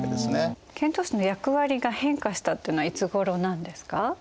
遣唐使の役割が変化したっていうのはいつごろなんですか？